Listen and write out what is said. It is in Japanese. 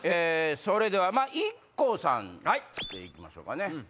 それではＩＫＫＯさんで行きましょうかね。